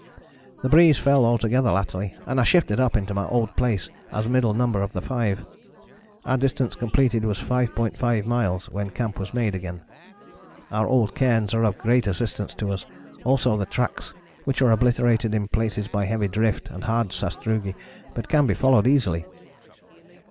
The breeze fell altogether latterly and I shifted up into my old place as middle number of the five. Our distance completed was 5.5 miles, when camp was made again. Our old cairns are of great assistance to us, also the tracks, which are obliterated in places by heavy drift and hard sastrugi, but can be followed easily."